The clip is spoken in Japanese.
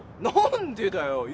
何でだよ？